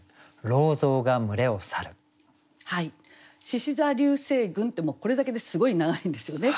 「獅子座流星群」ってこれだけですごい長いんですよね。